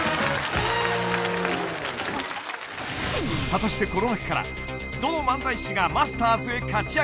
［果たしてこの中からどの漫才師が『マスターズ』へ勝ちあがるのか？］